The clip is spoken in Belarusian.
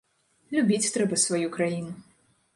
Любіць трэба сваю краіну.